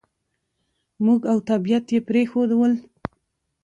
موږ او طبعیت یې پرېښوول.